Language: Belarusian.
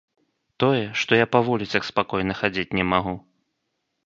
Тое, што я па вуліцах спакойна хадзіць не магу.